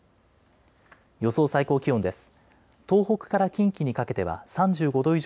予想最高気温です。